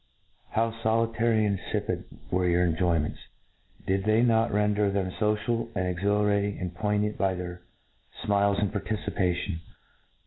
How folita^ ry ^d infipid were your enjoyments, did they not gender them focial, and e^^hilarating, and poignant \>y their fmiles and participation